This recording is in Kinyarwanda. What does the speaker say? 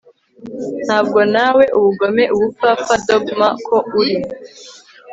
Ntabwo nawe ubugome ubupfapfa dogma ko uri